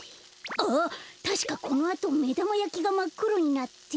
あったしかこのあとめだまやきがまっくろになって。